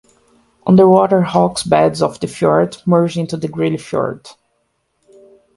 Underwater rock beds of the fiord merge into the Greely Fiord.